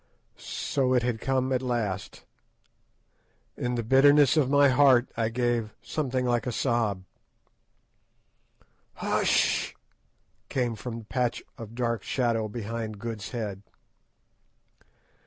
So it had come at last! In the bitterness of my heart I gave something like a sob. "Hush—h—h!" came from the patch of dark shadow behind Good's head.